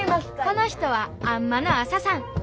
この人はあん摩のアサさん。